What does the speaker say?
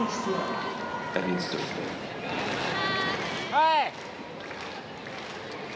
はい！